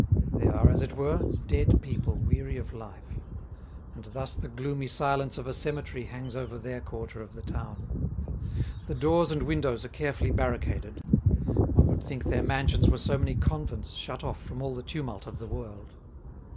They are, as it were, dead people weary of life. And thus the gloomy silence of a cemetery hangs over their quarter of the town. The doors and windows are carefully barricaded; one would think their mansions were so many convents shut off from all the tumult of the world.